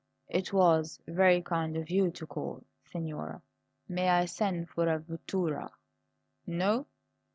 "It was very kind of you to call, signora. May I send for a vettura? No?